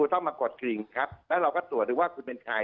ต้องมากดกลิ่งครับแล้วเราก็ตรวจดูว่าคุณเป็นใคร